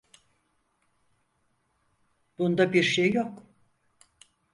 Bunda bir şey yok.